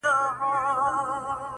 نن یې وار د پاڅېدو دی؛